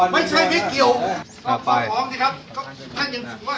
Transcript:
ไม่ใช่มันเกี่ยวขอบความสิครับท่านยังสูงว่าเข้าไป